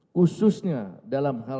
khususnya dalam hal